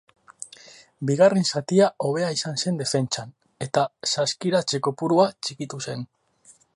Bigarren zatia hobea izan zen defentsan, eta saskiratze kopurua txikitu zen.